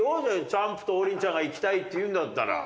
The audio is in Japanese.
チャンプと王林ちゃんが行きたいって言うんだったら。